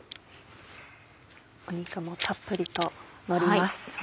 肉もたっぷりとのります。